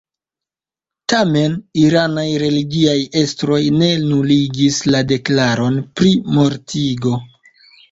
Tamen, iranaj religiaj estroj ne nuligis la deklaron pri mortigo.